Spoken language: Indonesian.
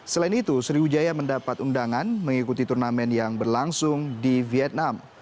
selain itu sriwijaya mendapat undangan mengikuti turnamen yang berlangsung di vietnam